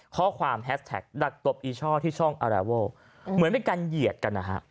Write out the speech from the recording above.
ข้อความดักตบอีช่อที่ช่องอาราโว่เหมือนเป็นการเงียดกันนะฮะ